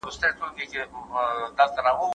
که وقفه ونه شي ذهن ستړی کېږي.